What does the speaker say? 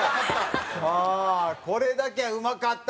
これだけはうまかった。